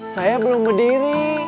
saya belum berdiri